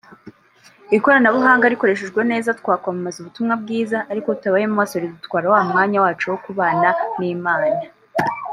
Ikoranabuhanga rikoreshejwe neza twakwamamaza ubutumwa bwiza ariko tutabaye maso ridutwara wa mwanya wacu wo kubana n’Imana